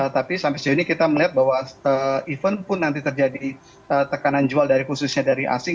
tapi sampai sejauh ini kita melihat bahwa even pun nanti terjadi tekanan jual dari khususnya dari asing